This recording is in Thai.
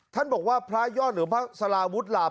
ท่านบอกว่าพระยอดหรือพระสลาวุฒิหลาบ